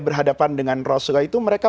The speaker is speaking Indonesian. berhadapan dengan rasulullah itu mereka